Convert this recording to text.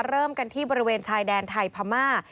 เริ่มกันที่บริเวณชายแดนไทยพม่า